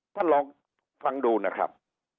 ท่านลองฟังดูนะครับ